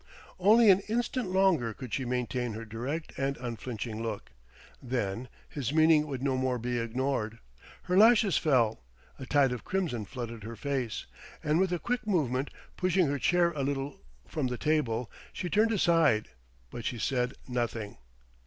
Only an instant longer could she maintain her direct and unflinching look. Then, his meaning would no more be ignored. Her lashes fell; a tide of crimson flooded her face; and with a quick movement, pushing her chair a little from the table, she turned aside. But she said nothing.